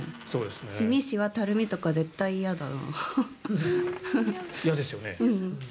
シミ、シワ、たるみとか絶対、嫌だな。